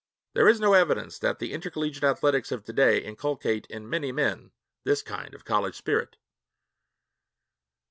There is no evidence that the intercollegiate athletics of to day inculcate in many men this kind of college spirit.